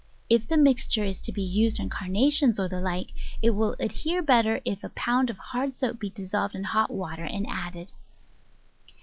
If the mixture is to be used on Carnations, or the like, it will adhere better if a pound of hard soap be dissolved in hot water and added.